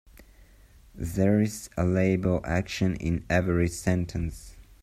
There's a libel action in every sentence.